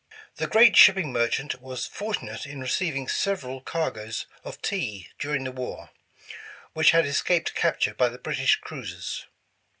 The great shipping merchant was fortunate in receiv ing several cargoes of tea during the war, which had escaped capture by the British cruisers.